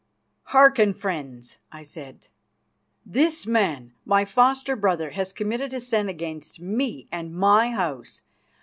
"Hearken, friends," I said. "This man, my foster brother, has committed a sin against me and my House.